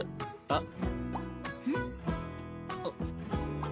あっ。